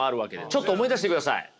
ちょっと思い出してください。